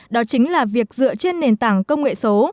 đó chính là việc dựa trên nền tảng công nghệ số